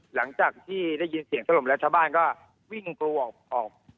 หลังจากที่ได้ยินเสียงสลมรัฐบาลก็วิ่งกลัวออกออก